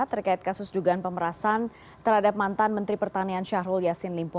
terkait kasus dugaan pemerasan terhadap mantan menteri pertanian syahrul yassin limpo